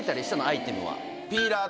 アイテムは。